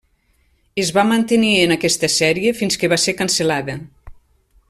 Es va mantenir en aquesta sèrie, fins que va ser cancel·lada.